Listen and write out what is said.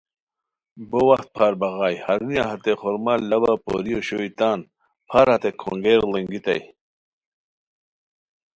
بو وخت پھار بغائے ہرونیہ ہتے خورمہ لاوا پوری اوشوئے تان پھار ہتے کھونگیر ڑینگیتائے،